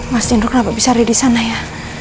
mas indro kenapa bisa ada di sana ya